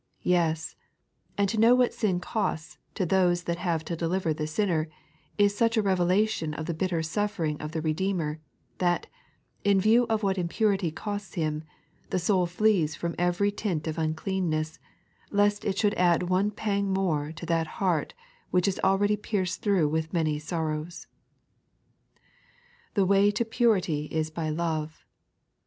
Tee ; and to know what sin costs to thoee that have to deliver the sinner, is such a revelation of the bitter suffering of the Eedeemer, that, in view of what impurity costs Him, the soul flees from every taint of nncleonness, lest it should add one pang more to that heart which is already pierced through with many sorrows. The way to purity is by Love.